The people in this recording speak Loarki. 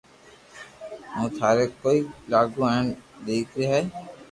ھون ٿاري ڪوئي لاگو ھين ڌاڪر ھي